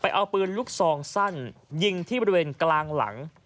เอาปืนลูกซองสั้นยิงที่บริเวณกลางหลัง